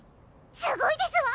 すごいですわ！